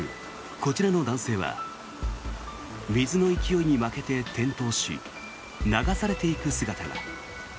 こちらの男性は水の勢いに負けて転倒し流されていく姿が。